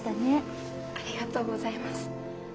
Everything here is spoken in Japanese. ありがとうございます。